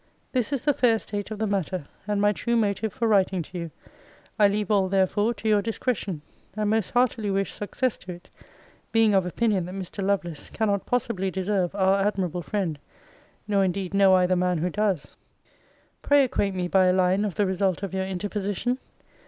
This is the fair state of the matter, and my true motive for writing to you. I leave all, therefore, to your discretion; and most heartily wish success to it; being of opinion that Mr. Lovelace cannot possibly deserve our admirable friend: nor indeed know I the man who does. Pray acquaint me by a line of the result of your interposition.